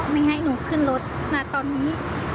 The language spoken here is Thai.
ไม่ให้หนูขึ้นรถณตอนนี้